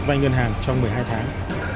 vay ngân hàng trong một mươi hai tháng